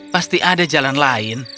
pasti ada jalan lain